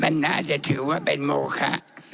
มันน่าจะถือว่าเป็นโมคะ